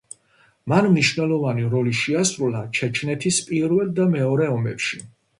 მან მნიშვნელოვანი როლი შეასრულა ჩეჩნეთის პირველ და მეორე ომებში.